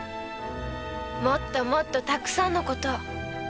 もっともっとたくさんのことを。